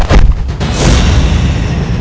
dan saya berharap